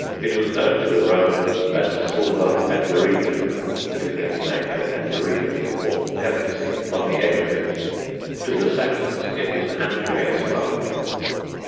It was known to the Romans as Sylva Anderida, giving its name to Anderida (or Pevensey) on the edge of it; to the Saxons it was Andreaswald.